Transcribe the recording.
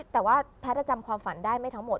แต่ว่าแพทย์จะจำความฝันได้ไม่ทั้งหมด